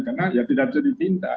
karena ya tidak bisa ditindak